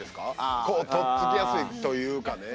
こうとっつきやすいというかね。